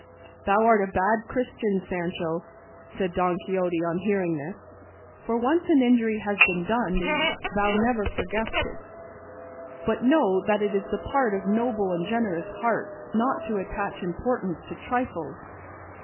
"Thou art a bad Christian, Sancho," said Don Quixote on hearing this, "for once an injury has been done thee thou never forgettest it: but know that it is the part of noble and generous hearts not to attach importance to trifles.